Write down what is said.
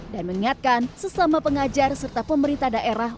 dan mengingatkan sesama pengajar serta pemerintah